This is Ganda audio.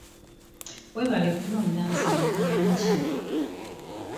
Weebale kulonda nze mu bangi!